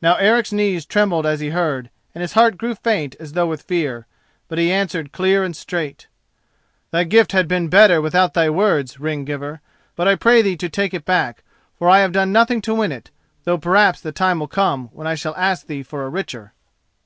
Now Eric's knees trembled as he heard, and his heart grew faint as though with fear. But he answered clear and straight: "Thy gift had been better without thy words, ring giver; but I pray thee to take it back, for I have done nothing to win it, though perhaps the time will come when I shall ask thee for a richer."